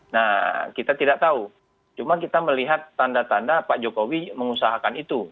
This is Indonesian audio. nah kita tidak tahu cuma kita melihat tanda tanda pak jokowi mengusahakan itu